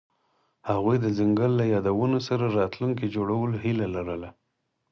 هغوی د ځنګل له یادونو سره راتلونکی جوړولو هیله لرله.